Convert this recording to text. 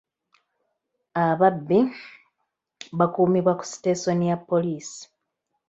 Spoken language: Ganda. Ababbi bakuumibwa ku sitesoni ya poliisi.